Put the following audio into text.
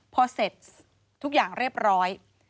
พอเสร็จทุกอย่างเรียบร้อย